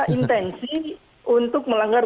intensi untuk melanggar